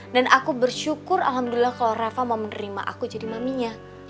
dan aku bersyukur alhamdulillah kalau reva mau menerima aku jadi maminya